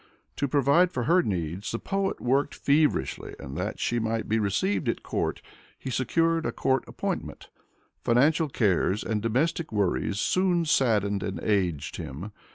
To provide for her needs, the poet worked feverishly, and that she might be received at court, he secured a court appointment. Financial cares and domestic worries soon saddened and aged him.